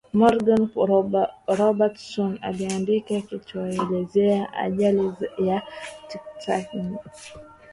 morgan robertson aliandika kinachoelezea ajali ya titanic